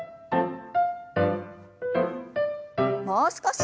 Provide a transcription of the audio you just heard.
もう少し。